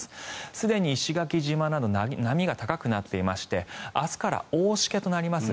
すでに石垣島など波が高くなっていまして明日から大しけとなります。